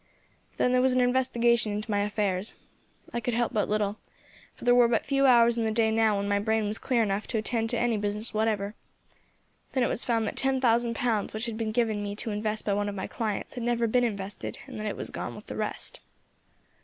Then there was an investigation into my affairs. I could help but little, for there were but few hours in the day now when my brain was clear enough to attend to any business whatever. Then it was found that ten thousand pounds which had been given me to invest by one of my clients had never been invested, and that it was gone with the rest.